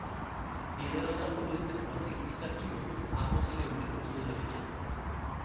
Tiene dos afluentes más significativos, ambos se le unen por su derecha.